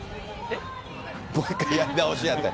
もう一回やり直しやって。